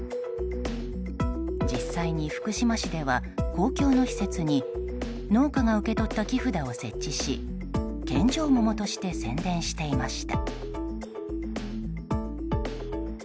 実際に福島市では公共の施設に農家が受け取った木札を設置し献上桃として宣伝していました。